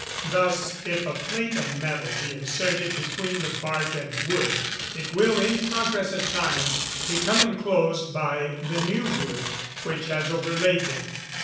Thus, if a plate of metal be inserted between the bark and wood, it will, in progress of time, become inclosed by the new wood which has overlaid them.